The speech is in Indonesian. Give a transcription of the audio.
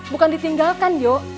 bukan ditinggalkan yuk